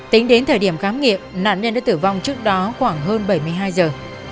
tính đến thời điểm khám nghiệm nạn nhân đã tử vong trước đó khoảng hơn bảy mươi hai giờ